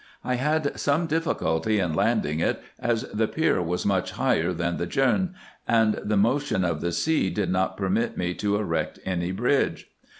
I had some difficulty in landing it, as the pier was much higher than the djerm, and the motion of the sea did not permit me to erect any bridge.